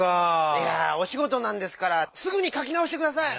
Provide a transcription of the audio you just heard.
いやおしごとなんですからすぐにかきなおしてください！